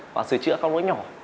và sửa chữa các nỗi nhỏ